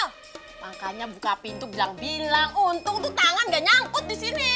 makanya buka pintu bilang bilang untung tuh tangan gak nyangkut disini